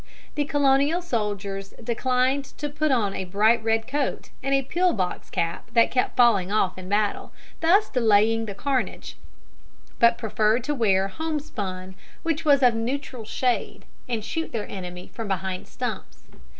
The Colonial soldiers declined to put on a bright red coat and a pill box cap, that kept falling off in battle, thus delaying the carnage, but preferred to wear homespun which was of a neutral shade, and shoot their enemy from behind stumps.